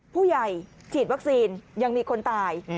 ผู้ใหญ่ฉีดวัคซีนยังมีคนตาย